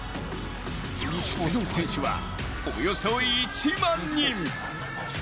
出場選手はおよそ１万人。